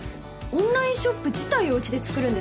オンラインショップ自体をうちで作るんですか？